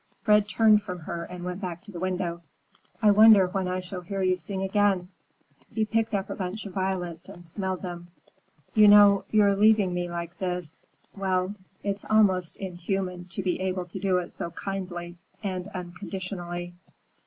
Fred turned from her and went back to the window. "I wonder when I shall hear you sing again." He picked up a bunch of violets and smelled them. "You know, your leaving me like this—well, it's almost inhuman to be able to do it so kindly and unconditionally."